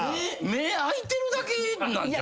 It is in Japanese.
目開いてるだけなんじゃない？